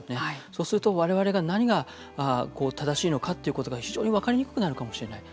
そうすると、われわれが何が正しいのかということが非常に分かりにくくなるかもしれない。